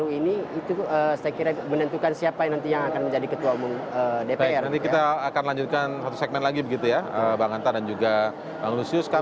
faktor kepercayaan yang kemudian bisa dibangunkan oleh ketua umum baru ini